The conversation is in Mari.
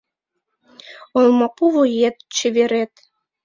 Олмапу вует — чеверет